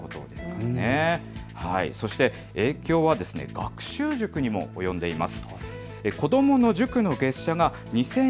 影響は学習塾にも及んでいます。